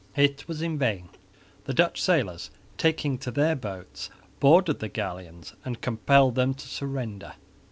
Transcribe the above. It was in vain. The Dutch sailors, taking to their boats, boarded the galleons and compelled them to surrender.